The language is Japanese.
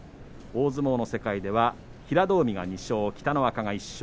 大相撲の世界では平戸海が２勝北の若が１勝。